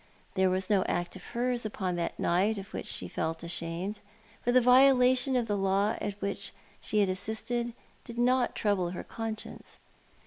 There was no act of hers upon that night of which she felt ashamed ; for the violation of the law at which she had assisted did not trouble her conscience.